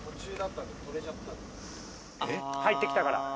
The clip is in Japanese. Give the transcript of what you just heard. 入ってきたから。